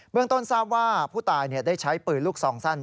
เมืองต้นทราบว่าผู้ตายได้ใช้ปืนลูกซองสั้น